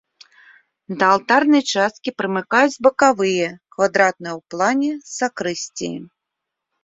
Да алтарнай часткі прымыкаюць бакавыя квадратныя ў плане сакрысціі.